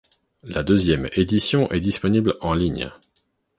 La deuxième édition est disponible en ligne.